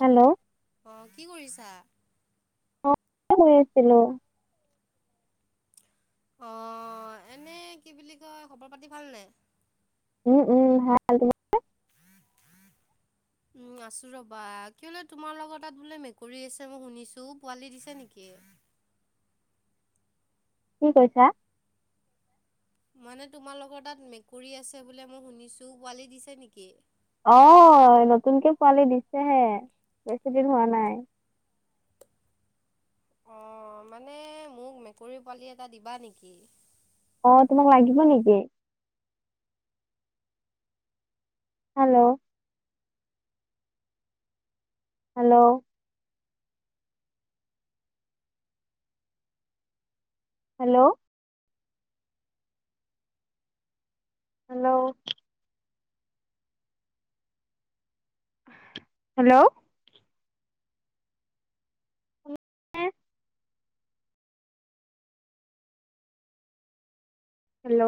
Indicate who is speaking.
Speaker 1: Hello,
Speaker 2: অ কি কৰিছা?
Speaker 1: অ, গৈ আছিলোঁ।
Speaker 2: অ, এনে কি বুলি কয় খবৰ পাতি ভালনে?
Speaker 1: উম, উম, ভাল তোমাৰ?
Speaker 2: [inaudible] উম, আছোঁ ৰবা কিয়লে তোমাৰ লগত তাত বোলে মেকুৰী আছে মই শুনিছোঁ পোৱালি দিছে নেকি?
Speaker 1: কি কৈছা?
Speaker 2: মানে তোমালোকৰ তাত মেকুৰী আছে বোলে মই শুনিছোঁ পোৱালি দিছে নেকি?
Speaker 1: অ, নতুনকে পোৱালি দিছেহে বেছি দিন হোৱা নাই।
Speaker 2: অ, মানে মোক মেকুৰী পোৱালি এটা দিবা নেকি?
Speaker 1: অ, তোমাক লাগিব নেকি? Hello, hello, hello hello hello hello